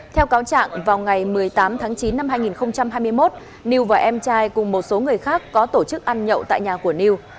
theo cáo trạng vào ngày một mươi tám tháng chín năm hai nghìn hai mươi một liêu và em trai cùng một số người khác có tổ chức ăn nhậu tại nhà của new